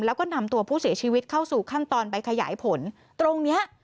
แล้วก็นำตัวผู้เสียชีวิตเข้าสู่ขั้นตอนไปขยายผลตรงเนี้ย